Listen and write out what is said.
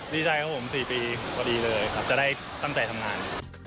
ดีใจครับผม๔ปีพอดีเลยครับจะได้ตั้งใจทำงาน